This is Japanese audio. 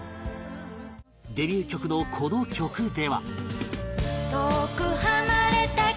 デビュー曲のこの曲では